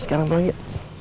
sekarang gue lanjut